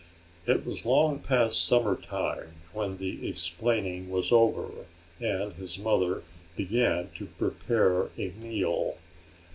It was long past supper time when the explaining was over and his mother began to prepare a meal.